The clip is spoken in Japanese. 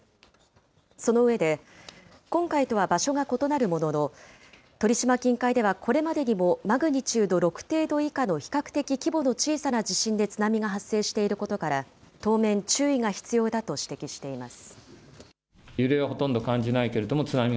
その上で、今回とは場所が異なるものの、鳥島近海ではこれまでにもマグニチュード６程度以下の比較的規模の小さな地震で津波が発生していることから、当面、注意が必要だと指摘しています。